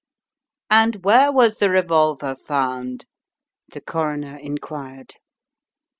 "And where was the revolver found?" the Coroner inquired.